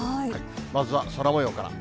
まずは空もようから。